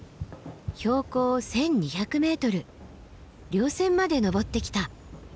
標高１，２００ｍ稜線まで登ってきた。